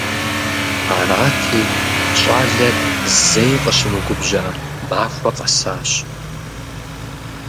Арати, щӀалэр зэи къыщымыгубжьа махуэ къэсащ.